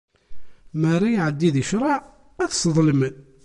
Mi ara iɛeddi di ccreɛ, ad t-sḍelmen.